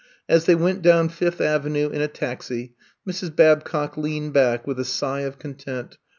As they went down Fifth Avenue in a taxi, Mrs. Babcock leaned back with a sigh of content.